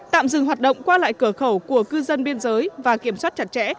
tạm dừng hoạt động qua lại cửa khẩu của cư dân biên giới và kiểm soát chặt chẽ